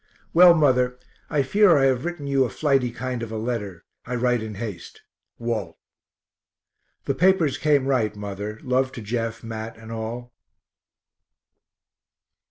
Well, mother, I fear I have written you a flighty kind of a letter I write in haste. WALT. The papers came right, mother love to Jeff, Mat, and all.